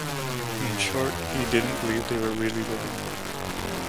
In short, he didn't believe they were really living.